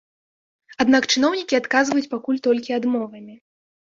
Аднак чыноўнікі адказваюць пакуль толькі адмовамі.